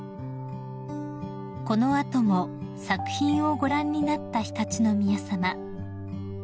［この後も作品をご覧になった常陸宮さま］